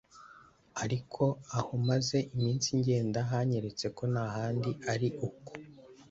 ariko aho maze iminsi ngenda hanyeretse ko n’ahandi ari uko